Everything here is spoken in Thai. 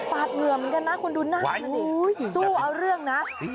เหงื่อเหมือนกันนะคุณดูหน้ามันดิสู้เอาเรื่องนะ